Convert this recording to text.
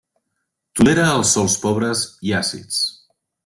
Tolera els sòls pobres i àcids.